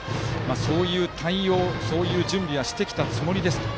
そういう対応、そういう準備はしてきたつもりですと。